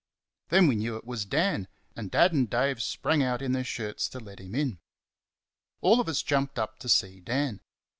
Then we knew it was Dan, and Dad and Dave sprang out in their shirts to let him in. All of us jumped up to see Dan.